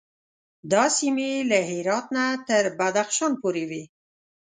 دا سیمې له هرات نه تر بدخشان پورې وې.